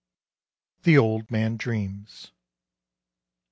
THE OLD MAN DREAMS.